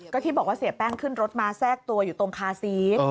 ก็ที่บอกว่าเสียแป้งขึ้นรถมาแทรกตัวอยู่ตรงคาซีส